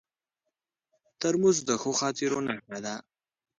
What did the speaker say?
ترموز د ښو خاطرو نښه ده.